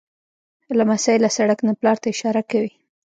لمسی له سړک نه پلار ته اشاره کوي.